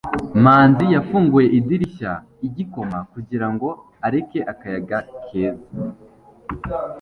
manzi yafunguye idirishya igikoma kugirango areke akayaga keza